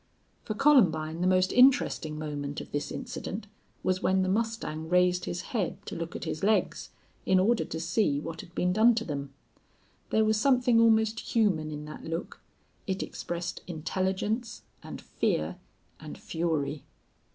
For Columbine, the most interesting moment of this incident was when the mustang raised his head to look at his legs, in order to see what had been done to them. There was something almost human in that look. It expressed intelligence and fear and fury.